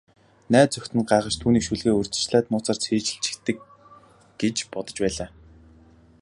Найз охид нь гайхаж, түүнийг шүлгээ урьдчилаад нууцаар цээжилчихдэг гэж бодож байлаа.